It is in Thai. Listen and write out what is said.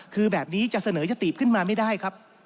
คือแบบนี้จะเสนอยติขึ้นมาไม่ได้ครับ